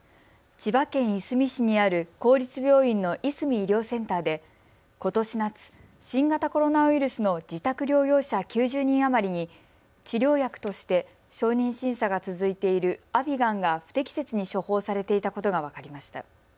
千葉県いすみ市にある公立病院のいすみ医療センターでことし夏、新型コロナウイルスの自宅療養者９０人余りに治療薬として承認審査が続いているアビガンが不適切に処方されていたことが分かりました。